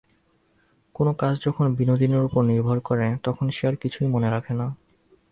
কোনো কাজ যখন বিনোদিনীর উপর নির্ভর করে, তখন সে আর-কিছুই মনে রাখে না।